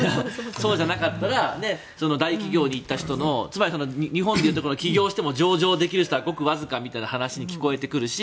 そうじゃなかったら大企業に行った人つまり日本でいうところの起業しても上場できる人はごくわずかみたいな話に聞こえてくるし